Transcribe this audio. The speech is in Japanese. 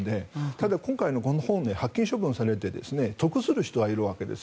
ただ、今回の本、発禁処分されて得する人がいるわけです。